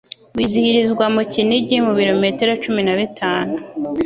wizihirizwa mu Kinigi mu birometero cumi na bitanu